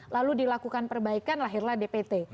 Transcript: lalu dilakukan perbaikan lahirlah dpt